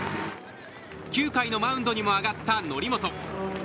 ９回のマウンドにも上がった則本。